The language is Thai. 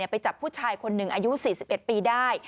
ไปจับผู้ชายคนหนึ่งอายุ๔๑ปีได้